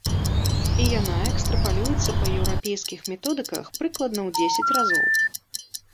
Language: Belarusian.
І яна экстрапалюецца па еўрапейскіх методыках прыкладна ў дзесяць разоў.